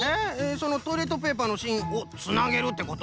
そのトイレットペーパーのしんをつなげるってこと？